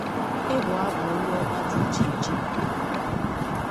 ịbụ abụ olu ọma dị iche iche